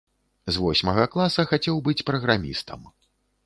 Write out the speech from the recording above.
З восьмага класа хацеў быць праграмістам.